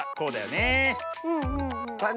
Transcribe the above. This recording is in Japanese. ねえ。